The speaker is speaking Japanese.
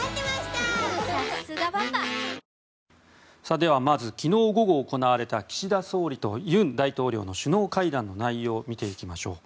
ではまず昨日午後行われた岸田総理と尹大統領の首脳会談の内容を見ていきましょう。